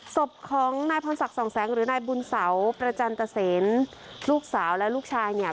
ศพของนายพรศักดิ์สองแสงหรือนายบุญเสาประจันตเซนลูกสาวและลูกชายเนี่ย